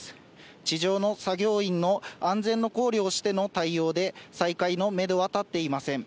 地上の作業員の安全の考慮をしての対応で、再開のメドは立っていません。